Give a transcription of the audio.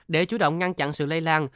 để chủ động ngăn chặn sự lây lan